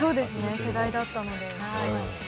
そうですね、世代だったので。